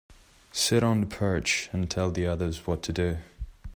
Sit on the perch and tell the others what to do.